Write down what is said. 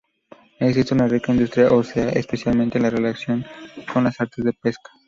Existe una rica industria ósea, especialmente en relación con los artes de pesca.